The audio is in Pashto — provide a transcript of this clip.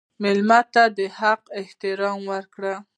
مېلمه ته د حق احترام ورکړه.